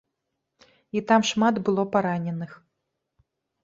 І там шмат было параненых.